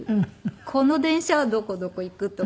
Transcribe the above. この電車はどこどこ行くとか。